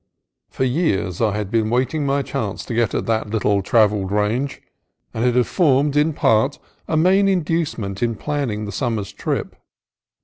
For years I had been waiting my chance to get at that little travelled range, and it had formed, in fact, a main induce ment in planning the summer's trip.